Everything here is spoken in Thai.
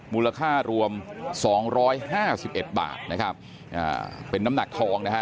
มูลค่ารวม๒๕๑บาทน้ำหนักทอง